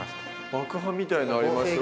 爆破みたいなのありました